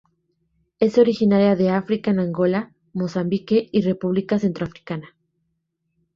Es originaria de África en Angola, Mozambique y República Centroafricana.